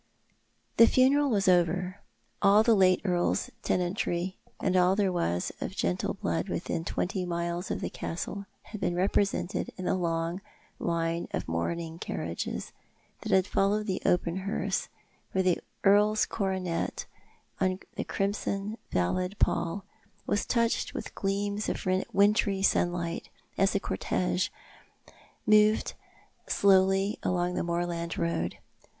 The funeral was over. All the late earl's tenantry and all that there was of gentle blood within twenty miles of the castle had been represented in the long line of mourning car riages that followed the open hearse, where the earl's coronet, on the crimson velvet pall, was touched w'ith gleams of wintry sunlight as the cortege moved slowly along the moorland road.